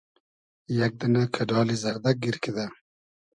یئگ دئنۂ کئۮالی زئردئگ گیر کیدۂ